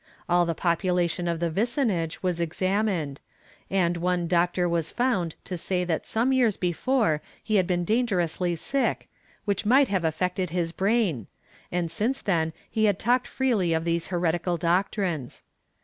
All the population of the vicinage was examined, and one doctor was found to say that some years before he had been dangerously sick, which might have affected his brain, and since then he had talked freely of these heretical doctrines.